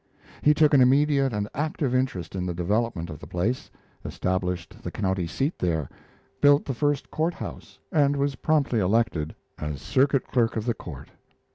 He took an immediate and active interest in the development of the place, established the county seat there, built the first Court House, and was promptly elected as circuit clerk of the court.